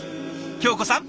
京子さん